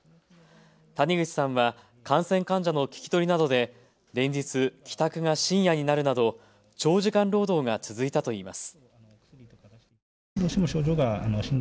谷口さんは感染患者の聞き取りなどで連日、帰宅が深夜になるなど長時間労働が続いたといいます。